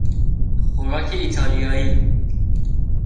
خوراک ایتالیایی